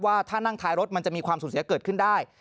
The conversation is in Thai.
ว่าถ้านั่งท้ายรถมันจะมีความสูญเสียเกิดขึ้นได้